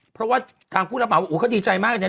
เพราะว่ากลางผู้รับเหมาก็ดีใจมาก